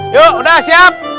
yuk udah siap